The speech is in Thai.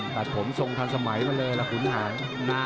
แล้วหุนหาน